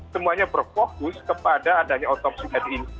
semuanya berfokus kepada adanya otopsi yang lain